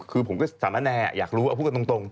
คือผมก็สารแนอยากรู้เอาพูดกันตรง